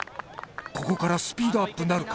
ここからスピードアップなるか？